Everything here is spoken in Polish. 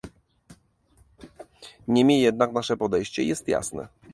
Niemniej jednak nasze podejście jest jasne